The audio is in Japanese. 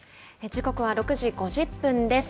時刻は６時５０分です。